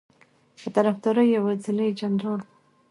په طرفداری یوازینی جنرال ؤ